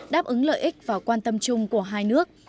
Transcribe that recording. đáp ứng lợi ích và quan tâm chung của hai nước